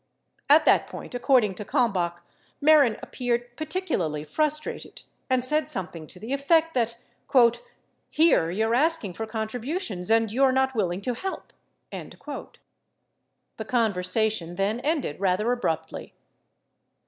At that point, according to Kalmbach, Mehren appeared particularly frustrated and said something to the effect that : "here you're asking for contributions and you're not willing to help." 42 The conversation then ended rather abruptly.